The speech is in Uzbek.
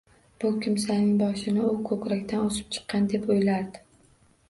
Bu kimsaning boshini u ko‘krakdan o‘sib chiqqan deb o‘ylardi.